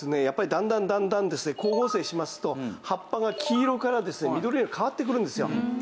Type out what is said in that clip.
やっぱりだんだんだんだん光合成しますと葉っぱが黄色から緑に変わってくるんですよ。